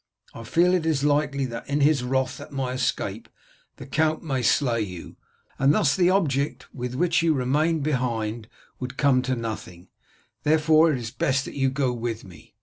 I feel it is likely that in his wrath at my escape the count may slay you, and thus the object with which you remained behind would come to nothing, therefore it is best that you go with me."